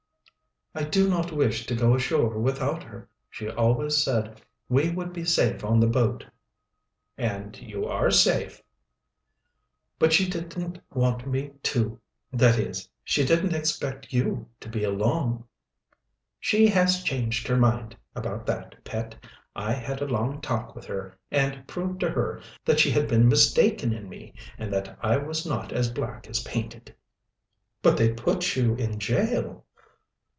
"I do not wish to go ashore without her. She always said we would be safe on the boat." "And you are safe." "But she didn't want me to that is, she didn't expect you to be along." "She has changed her mind about that, Pet. I had a long talk with her and proved to her that she had been mistaken in me, and that I was not as black as painted." "But they put you in jail."